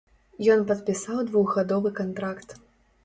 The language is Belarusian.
Ён падпісаў двухгадовы кантракт.